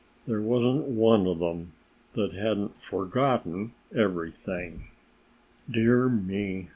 There wasn't one of them that hadn't forgotten everything. "Dear me!"